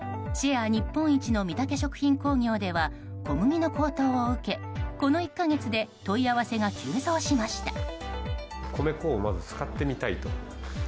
シェア日本一のみたけ食品工業では小麦の高騰を受け、この１か月問い合わせが急増しました。